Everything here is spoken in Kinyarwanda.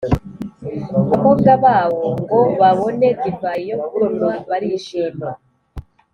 abakobwa bawo, ngo babone divayi yo kunywa barishima